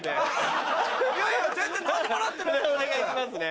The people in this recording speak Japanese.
お願いしますね。